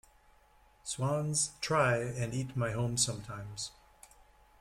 Swans try and eat my home sometimes.